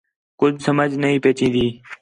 کُج سمجھ نہیں پئی چِین٘دی